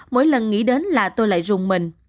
mỗi lần nghĩ đến là tôi lại rùng mình